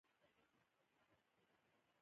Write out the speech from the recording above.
آیا موږ د سولې حق نلرو؟